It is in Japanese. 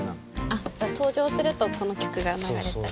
あっ登場するとこの曲が流れたり。